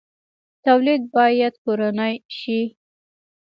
تولید باید کورنی شي